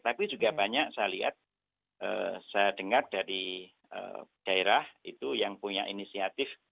tapi juga banyak saya lihat saya dengar dari daerah itu yang punya inisiatif